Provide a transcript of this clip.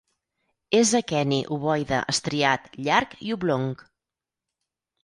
És aqueni, ovoide, estriat, llarg i oblong.